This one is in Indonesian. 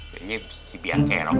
kayanya si bian kayak roh